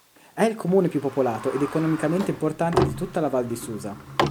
È il comune più popolato ed economicamente importante di tutta la Val di Susa.